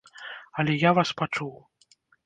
Але я вас пачуў.